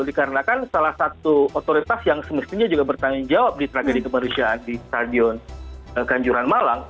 dikarenakan salah satu otoritas yang semestinya juga bertanggung jawab di tragedi kemanusiaan di stadion kanjuran malang